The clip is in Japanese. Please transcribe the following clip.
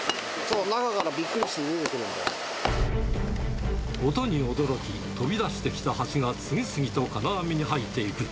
中からびっくりして出てくる音に驚き、飛び出してきたハチが次々と金網に入っていく。